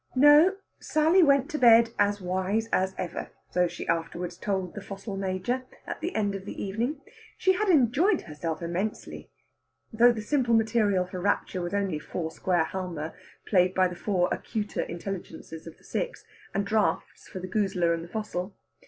No; Sally went to bed as wise as ever so she afterwards told the fossil Major at the end of the evening. She had enjoyed herself immensely, though the simple material for rapture was only foursquare Halma played by the four acuter intelligences of the six, and draughts for the goozler and the fossil.